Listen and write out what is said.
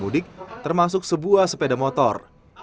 pemudik gratis ini akan diangkut dengan sepeda motor